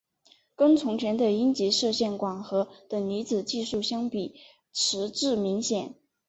跟从前的阴极射线管和等离子技术相比迟滞明显。